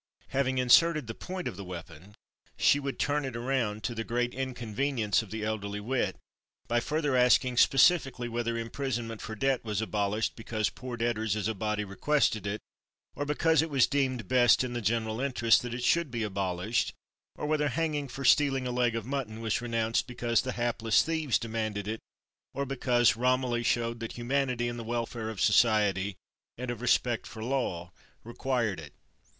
Having inserted the point of the weapon, she would turn it around, to the great inconvenience of the elderly wit, by further asking specifically whether imprisonment for debt was abolished because poor debtors as a body requested it or because it was deemed best in the general interest that it should be abolished, or whether hanging for stealing a leg of mutton was renounced because the hapless thieves demanded it, or because Romilly showed that humanity and the welfare of society and of respect for law required it.